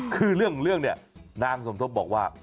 คือเรื่องนางสมทบบอกว่า